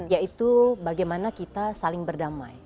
yaitu bagaimana kita saling berdamai